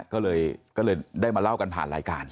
ก็เลยได้มาเล่ากันผ่านรายการ